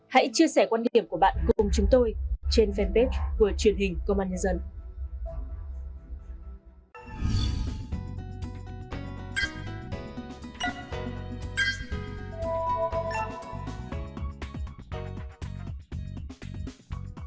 hãy chia sẻ quan điểm của bạn cùng chúng tôi trên fanpage của truyền hình công an nhân dân